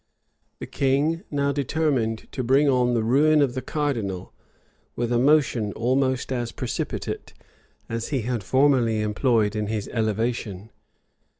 The king now determined to bring on the ruin of the cardinal with a motion almost as precipitate as he had formerly employed in his elevation.